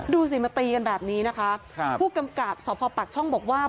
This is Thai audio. ดูสิมาตีกันแบบนี้นะคะผู้กำกับสพปักช่องบอกว่า